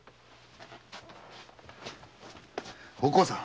お甲さん。